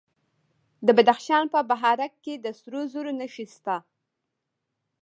د بدخشان په بهارک کې د سرو زرو نښې شته.